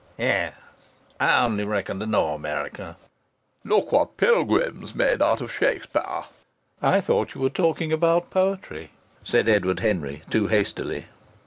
"Yes.... I only reckon to know America." "Look at what Pilgrim's made out of Shakspere." "I thought you were talking about poetry," said Edward Henry too hastily.